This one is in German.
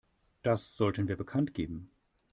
Das sollten wir bekanntgeben.